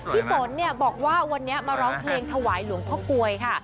พี่ฝนเนี่ยบอกว่าวันนี้มาร้องเพลงถวายหลวงพ่อกลวยค่ะ